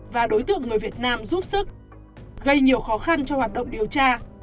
và đối tượng người việt nam giúp sức gây nhiều khó khăn cho hoạt động điều tra